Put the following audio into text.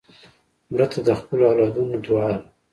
مړه ته د خپلو اولادونو دعا ده